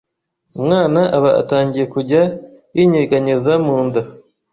umwana aba atangiye kujya yinyeganyeza munda